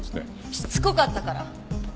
しつこかったから。